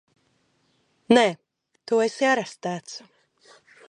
Nē! Tu esi arestēts!